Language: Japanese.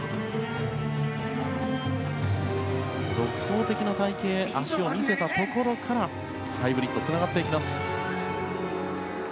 独創的な隊形脚を見せたところからハイブリッドにつながっていきます。